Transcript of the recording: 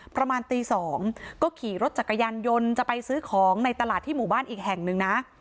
ประมาณตี๒ก็ขี่รถจักรยานยนต์จะไปซื้อของในตลาดที่หมู่บ้านอีกแห่งหนึ่งนะ